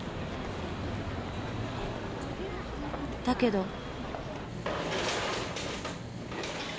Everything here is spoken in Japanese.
だけど。